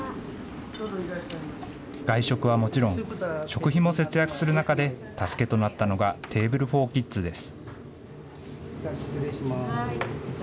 外食はもちろん、食費も節約する中で、助けとなったのがＴａｂｌｅｆｏｒＫｉｄｓです。